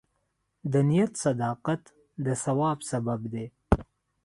د نیت صداقت د ثواب سبب دی.